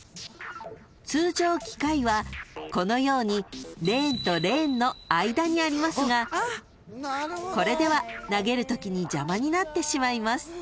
［通常機械はこのようにレーンとレーンの間にありますがこれでは投げるときに邪魔になってしまいます］